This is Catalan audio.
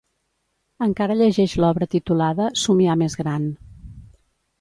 Encara llegeix l'obra titulada "Somiar més gran"